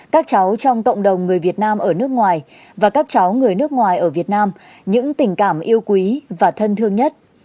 các cháu trong cộng đồng người việt nam ở nước ngoài và các cháu người nước ngoài ở việt nam những tình cảm yêu quý và thân thương nhất